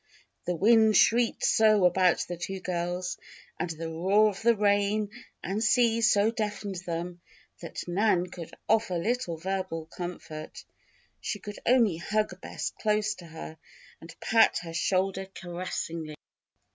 The wind shrieked so about the two girls, and the roar of the rain and sea so deafened them, that Nan could offer little verbal comfort. She could only hug Bess close to her and pat her shoulder caressingly.